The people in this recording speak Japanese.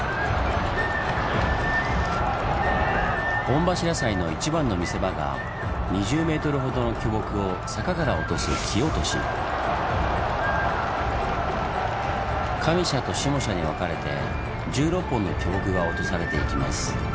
御柱祭の一番の見せ場が２０メートルほどの巨木を坂から落とす上社と下社に分かれて１６本の巨木が落とされていきます。